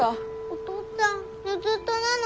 お父っつぁんぬすっとなの？